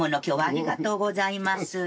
今日はありがとうございます。